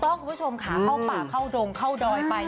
คุณผู้ชมค่ะเข้าป่าเข้าดงเข้าดอยไป